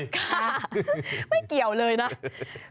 ค่ะไม่เกี่ยวเลยนะ